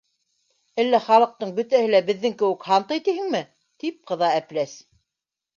— Әллә халыҡтың бөтәһе лә беҙҙең кеүек һантый тиһеңме? — тип ҡыҙа Әпләс.